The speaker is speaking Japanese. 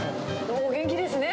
お元気ですね。